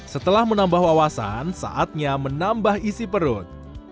setelah menambah wawasan saatnya menambah isi perut